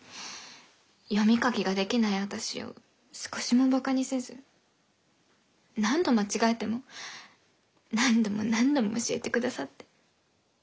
読み書きができない私を少しもバカにせず何度間違えても何度も何度も教えてくださって。